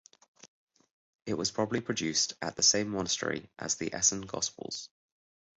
It was probably produced at the same monastery as the Essen Gospels.